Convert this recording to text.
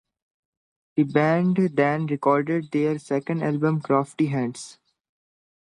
The band then recorded their second album, "Crafty Hands".